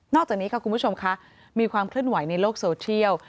นอกจากนี้ค่ะคุณผู้ชมคะมีความขึ้นไหวในโลกโซเทียล